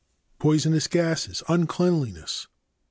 Poisonous gases. Uncleanliness.